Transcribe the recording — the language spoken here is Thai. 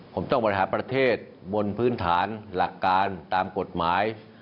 ผมต้องบริหารประเทศบนพื้นฐานหลักการตามกฎหมาย